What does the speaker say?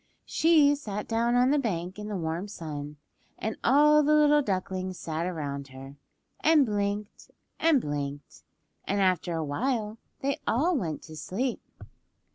She sat down on the bank in the warm sun, and all the little ducklings sat around her, and blinked and blinked, and after a while they all went to sleep.